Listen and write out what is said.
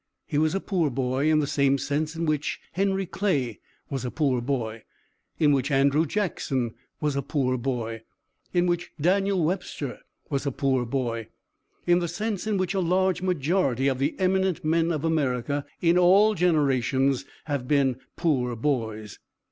He was a poor boy in the same sense in which Henry Clay was a poor boy; in which Andrew Jackson was a poor boy; in which Daniel Webster was a poor boy; in the sense in which a large majority of the eminent men of America in all generations have been poor boys.